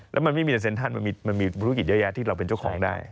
แล้วมันไม่มีในเซ็นทรัลมันมีธุรกิจเยอะแยะที่เราเป็นเจ้าของได้